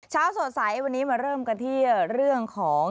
เช้าสดใสวันนี้มาเริ่มกันที่เรื่องของ